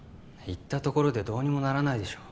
言ったところでどうにもならないでしょ